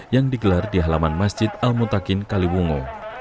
yang digelar di halaman masjid al mutakin kaliwungo